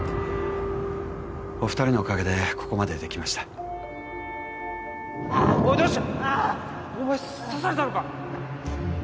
お二人のおかげでここまで出来ましたおいどうしたお前刺されたのか？